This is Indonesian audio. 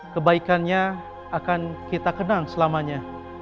kebaikannya akan kita kenang selamanya